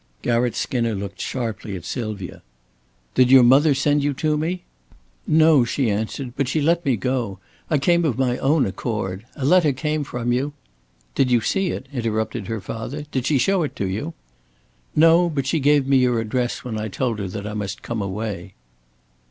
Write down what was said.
Garratt Skinner looked sharply at Sylvia. "Did your mother send you to me?" "No," she answered. "But she let me go. I came of my own accord. A letter came from you " "Did you see it?" interrupted her father. "Did she show it you?" "No, but she gave me your address when I told her that I must come away."